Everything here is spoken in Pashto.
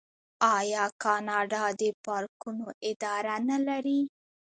آیا کاناډا د پارکونو اداره نلري؟